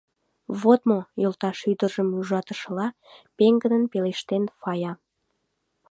— Вот мо! — йолташ ӱдыржым ужатышыла, пеҥгыдын пелештен Фая.